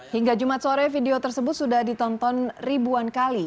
hingga jumat sore video tersebut sudah ditonton ribuan kali